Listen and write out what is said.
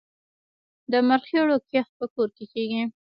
د مرخیړیو کښت په کور کې کیږي؟